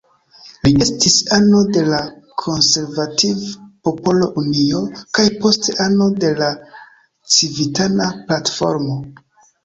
Li estis ano de la Konservativ-Popola Unio, kaj poste ano de la Civitana Platformo.